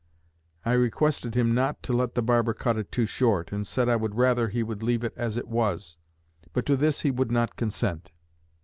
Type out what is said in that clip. I requested him not to let the barber cut it too short, and said I would rather he would leave it as it was; but to this he would not consent....